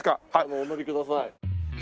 お乗りください。